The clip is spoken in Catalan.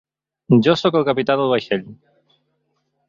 Jo soc el capità del vaixell.